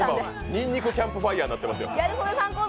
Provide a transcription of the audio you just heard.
にんにくキャンプファイヤーになってますよ。